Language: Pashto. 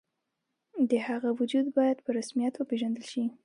د هغه وجود باید په رسمیت وپېژندل شي.